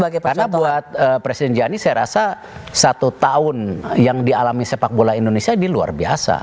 karena buat presiden jani saya rasa satu tahun yang dialami sepak bola indonesia ini luar biasa